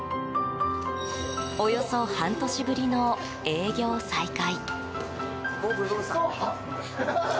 およそ半年ぶりの営業再開。